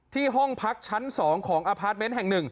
ที่ห้องพักชั้นสองของอาพาร์ตเม้นท์แห่งหนึ่ง